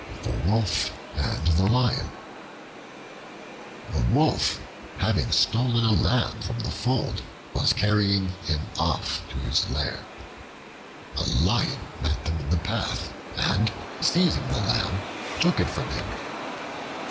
The Wolf and the Lion A WOLF, having stolen a lamb from a fold, was carrying him off to his lair. A Lion met him in the path, and seizing the lamb, took it from him.